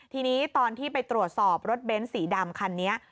ทีนี้ตอนที่ไปตรวจสอบรถเบ้นสีดำคันนี้